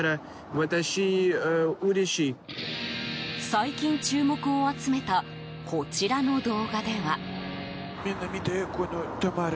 最近、注目を集めたこちらの動画では。